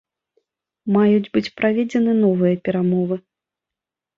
Маюць быць праведзеныя новыя перамовы.